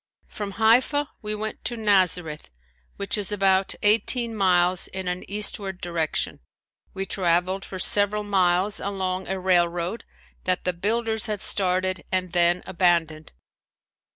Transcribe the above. From Haifa we went to Nazareth which is about eighteen miles in an eastward direction. We traveled for several miles along a railroad that the builders had started and then abandoned.